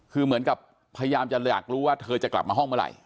คือเหมือนกับพยายามจะอยากรู้ว่าเธอจะกลับมาห้องเมื่อไหร่